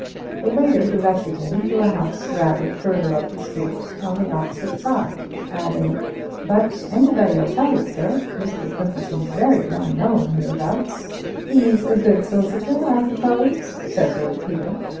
The waiter directed him to a house rather further up the street on the opposite side, adding, "But anybody'll tell you, sir; Mr. Crimplesham's very well known hereabouts." "He's a good solicitor, I suppose?" said Lord Peter.